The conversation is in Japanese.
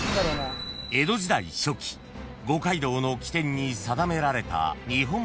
［江戸時代初期五街道の起点に定められた］